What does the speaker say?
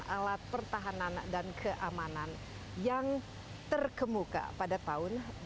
alat pertahanan dan keamanan yang terkemuka pada tahun dua ribu dua puluh tiga